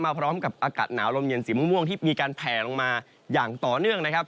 พร้อมกับอากาศหนาวลมเย็นสีม่วงที่มีการแผลลงมาอย่างต่อเนื่องนะครับ